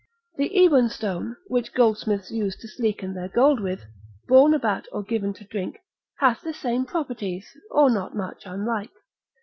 The Eban stone, which goldsmiths use to sleeken their gold with, borne about or given to drink, hath the same properties, or not much unlike.